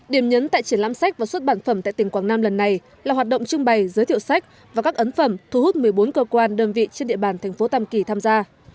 điểm nhấn tại triển lãm sách và xuất bản phẩm tại tỉnh quảng nam lần này là hoạt động trưng bày giới thiệu sách và các ấn phẩm thu hút một mươi bốn cơ quan đơn vị trên địa bàn thành phố tàm kỳ tham gia